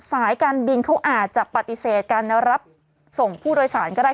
สายการบินเขาอาจจะปฏิเสธการรับส่งผู้โดยสารก็ได้